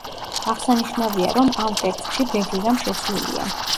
აღსანიშნავია, რომ ამ ტექსტში ბევრი რამ შეცვლილია.